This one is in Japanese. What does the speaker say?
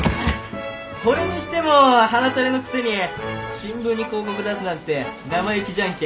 ほれにしてもはなたれのくせに新聞に広告出すなんて生意気じゃんけ。